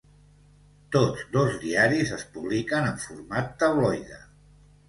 Tots dos diaris es publiquen en format tabloide.